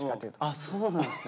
あそうなんですね。